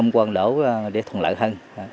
quân đổ để thuận lợi hơn